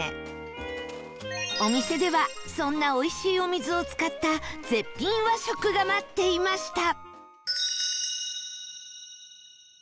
お店ではそんなおいしいお水を使った絶品和食が待っていました